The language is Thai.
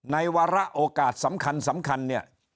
วาระโอกาสสำคัญเนี่ย